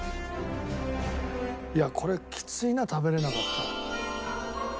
いやこれきついな食べられなかったら。